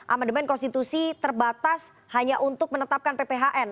amandemen konstitusi terbatas hanya untuk menetapkan pphn